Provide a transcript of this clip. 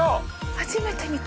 初めて見た。